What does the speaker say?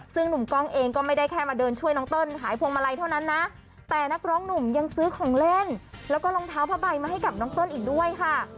ซึ่งหนุ่มกล้องเองก็ไม่ได้แค่มาเดินช่วยน้องเติ้ลขายพวงมาลัยเท่านั้นนะแต่นักร้องหนุ่มยังซื้อของเล่นแล้วก็รองเท้าผ้าใบมาให้กับน้องเติ้ลอีกด้วยค่ะ